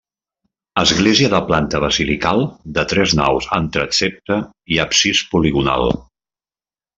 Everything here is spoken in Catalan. Església de planta basilical de tres naus amb transsepte i absis poligonal.